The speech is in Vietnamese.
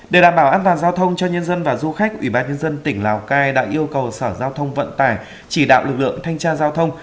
để đảm bảo an toàn giao thông cho nhân dân và du khách ủy ban nhân dân tỉnh lào cai đã yêu cầu sở giao thông vận tải chỉ đạo lực lượng thanh tra giao thông